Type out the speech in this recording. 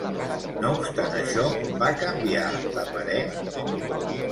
No obstant això, va canviar de parer?